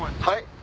はい？